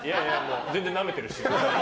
全然なめてるよ。